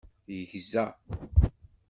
Tegza.